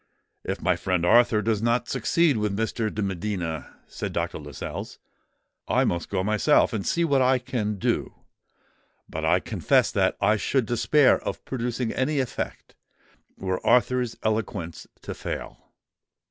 "If my friend Arthur does not succeed with Mr. de Medina," said Dr. Lascelles, "I must go myself, and see what I can do. But I confess that I should despair of producing any effect, were Arthur's eloquence to fail."